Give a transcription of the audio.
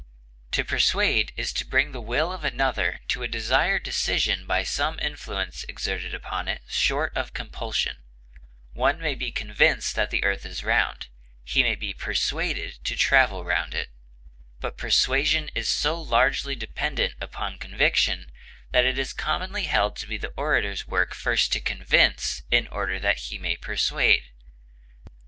To persuade is to bring the will of another to a desired decision by some influence exerted upon it short of compulsion; one may be convinced that the earth is round; he may be persuaded to travel round it; but persuasion is so largely dependent upon conviction that it is commonly held to be the orator's work first to convince in order that he may persuade.